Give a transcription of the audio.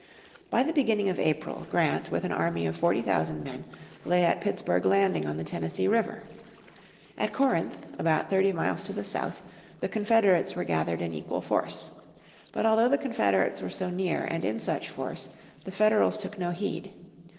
By the beginning of April Grant with an army of forty thousand men lay at Pittsburg Landing on the Tennessee River. At Corinth, about thirty miles to the south, the Confederates were gathered in equal force. But although the Confederates were so near and in such force the Federals took no heed.